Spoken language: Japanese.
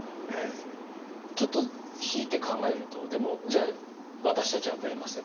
ちょっと引いて考えるとでもじゃあ私たちはブレません